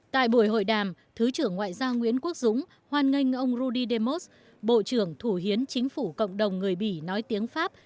tại buổi hội đàm thứ trưởng ngoại giao nguyễn quốc dũng hoan nghênh ông rudi demos bộ trưởng thủ hiến chính phủ cộng đồng người bỉ nói tiếng pháp